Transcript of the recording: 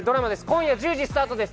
今夜１０時スタートです。